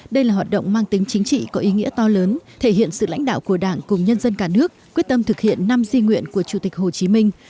đây là hoạt động mang tính chính trị có ý nghĩa to lớn thể hiện sự lãnh đạo của đảng cùng nhân dân cả nước quyết tâm thực hiện năm di nguyện của chủ tịch hồ chí minh